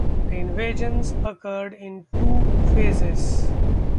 The invasions occurred in two phases.